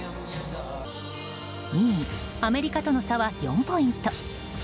２位、アメリカとの差は４ポイント。